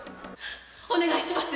お願いします！